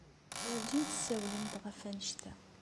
Werjin tessawlem-d ɣef wanect-a.